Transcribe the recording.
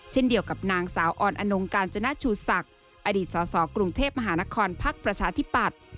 เช่นเดียวกับนางสาวออนอนงกาญจนาชูศักดิ์อดีตสสกรุงเทพมหานครพักประชาธิปัตย์